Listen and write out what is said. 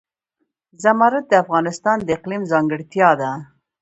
زمرد د افغانستان د اقلیم ځانګړتیا ده.